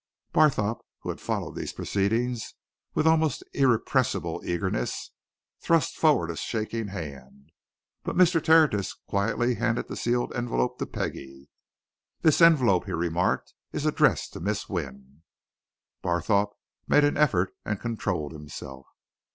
Barthorpe, who had followed these proceedings with almost irrepressible eagerness, thrust forward a shaking hand. But Mr. Tertius quietly handed the sealed envelope to Peggie. "This envelope," he remarked, "is addressed to Miss Wynne." Barthorpe made an effort and controlled himself.